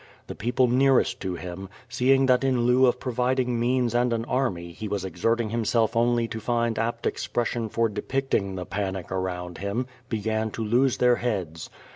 The people nearest to him, seeing that in lieu of providing means and an army he was exerting himself only to find apt expression for depicting the panic around him, began to lose their heads.